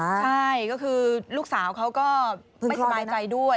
ใช่ก็คือลูกสาวเขาก็ไม่สบายใจด้วย